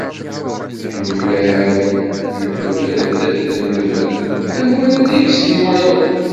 Yemlal lmebred d lmebred, anwa ara d-yekksen i wayeḍ